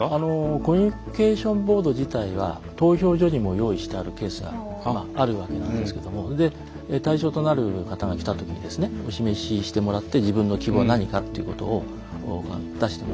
コミュニケーションボード自体は投票所にも用意してあるケースがあるわけなんですけども対象となる方が来た時にお示ししてもらって自分の希望が何かということを出してもらって。